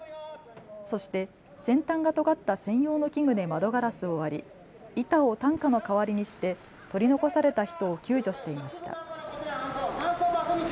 そして先端がとがった専用の器具で窓ガラスを割り板を担架の代わりにして取り残された人を救助していました。